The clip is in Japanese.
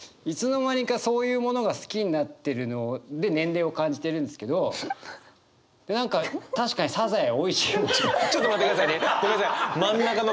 いつの間にかそういうものが好きになってるので年齢を感じてるんですけど何か確かにサザエおいしいもんな。